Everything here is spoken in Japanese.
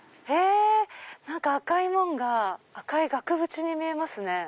何か赤い門が赤い額縁に見えますね。